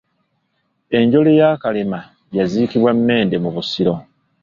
Enjole ya Kalema yaziikibwa Mmende mu Busiro.